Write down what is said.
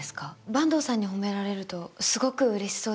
坂東さんに褒められるとすごくうれしそうですし。